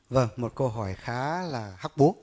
vâng một câu hỏi khá là hắc bố